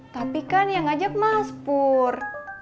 tapi kan yang ngajak mas pur